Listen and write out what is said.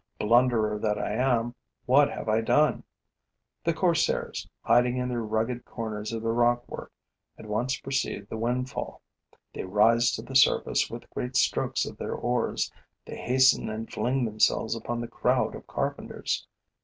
Blunderer that I am, what have I done! The corsairs, hiding in the rugged corners of the rock work, at once perceive the windfall. They rise to the surface with great strokes of their oars; they hasten and fling themselves upon the crowd of carpenters.